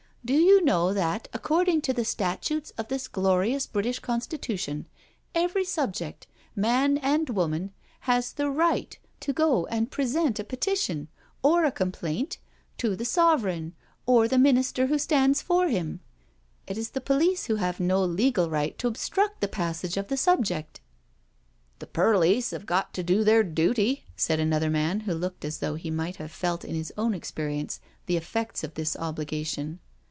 Do you know that, according to the statutes of this glorious British Constitution, every subject, man and woman, has the right to go and present a petition, or a complaint, to the Sovereign, or the minister who stands for him. It is the police have no legal right to obstruct the passage of the subject,*' •' The perlice 'ave got to do their dooty," said another man, who looked as though he might have felt in his own experience the effects of this obligation.